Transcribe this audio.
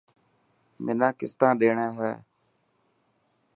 منا ڪستان ڏيڻي هي.